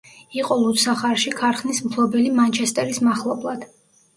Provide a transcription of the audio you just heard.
იყო ლუდსახარში ქარხნის მფლობელი მანჩესტერის მახლობლად.